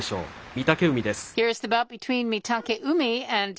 御嶽海です。